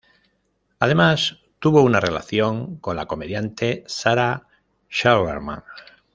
Además, tuvo una relación con la comediante Sarah Silverman.